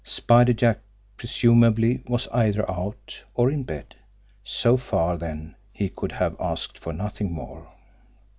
Spider Jack presumably was either out, or in bed! So far, then, he could have asked for nothing more.